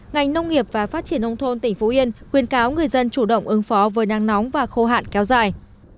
ngành nông nghiệp và phát triển nông thôn tỉnh phú yên khuyên cáo người dân chủ động ứng phó với nắng nóng và khô hạn kéo dài